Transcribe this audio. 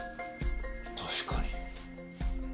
確かに。